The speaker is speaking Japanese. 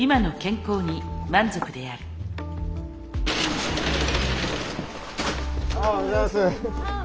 あおはようございます。